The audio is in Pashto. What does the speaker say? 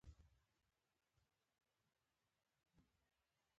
د ملګرتیا ریښې ژورې وي.